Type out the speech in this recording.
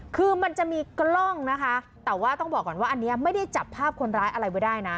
คือมันจะมีกล้องนะคะแต่ว่าต้องบอกก่อนว่าอันนี้ไม่ได้จับภาพคนร้ายอะไรไว้ได้นะ